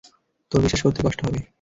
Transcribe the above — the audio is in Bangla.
তোর বিশ্বাস করতে কষ্ট হবে।